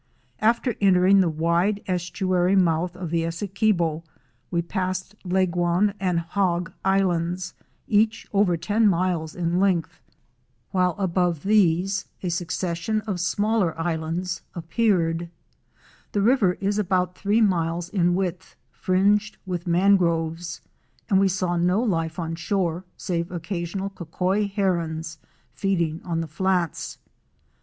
After entering the wide estuary mouth of the Essequibo we passed Leguan and Hog islands, each over ten miles in 244 WATER TRAIL FROM GEORGETOWN TO AREMU. 245 length, while above these a succession of smaller islands appeared. The river is about three miles in width, fringed with mangroves, and we saw no life on shore save occasional Cocoi Herons *! feeding on the flats.